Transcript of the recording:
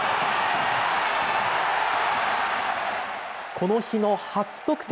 この日の初得点。